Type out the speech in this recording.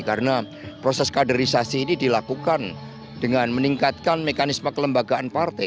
karena proses kaderisasi ini dilakukan dengan meningkatkan mekanisme kelembagaan parti